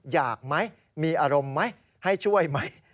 อยากไหมมีอารมณ์ไหมให้ช่วยไหม